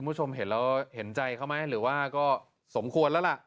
คุณผู้ชมเห็นแล้วเห็นใจเขาไหมหรือว่าก็สมควรแล้วล่ะ